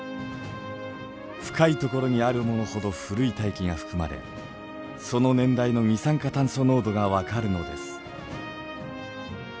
深いところにあるものほど古い大気が含まれその年代の二酸化炭素濃度が分かるのです。